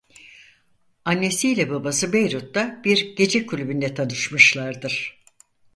Annesi ile babası Beyrut'ta bir gece kulübünde tanışmışlardır.